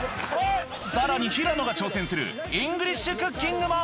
さらに平野が挑戦するイングリッシュクッキングも。